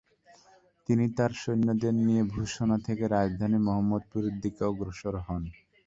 তিনি তার সৈন্যদের নিয়ে ভূষণা থেকে রাজধানী মহম্মদপুরের দিকে অগ্রসর হন।